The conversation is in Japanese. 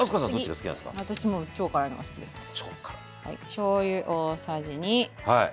しょうゆ大さじ２。